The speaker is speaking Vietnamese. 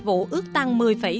vụ ước tăng một mươi tám mươi chín